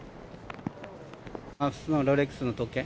普通のロレックスの時計。